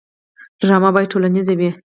ډرامه باید ټولنیزه وي